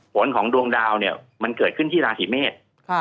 ผลของดวงดาวเนี่ยมันเกิดขึ้นที่ราศีเมษ